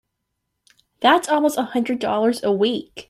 That's almost a hundred dollars a week!